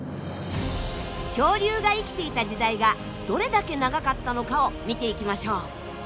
恐竜が生きていた時代がどれだけ長かったのかを見ていきましょう。